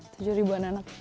tujuh ribuan anak